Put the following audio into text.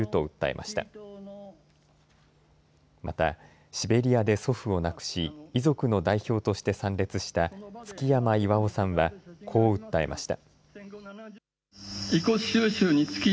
またシベリアで祖父を亡くし、遺族の代表として参列した築山巖さんはこう訴えました。